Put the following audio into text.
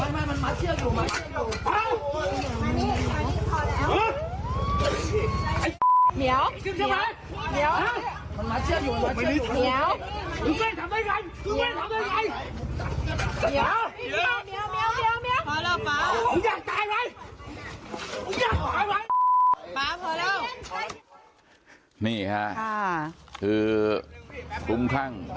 คงแต่โดยเผี่ยงโลวีสีด้วยข้าวพวกเท่านั้น